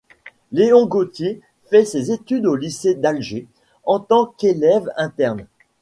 Léon Gauthier fait ses études au lycée d’Alger, en tant qu'élève interne.